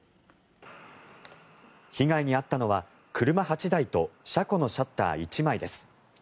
被害に遭ったのは車８台と車庫のシャッター１枚です。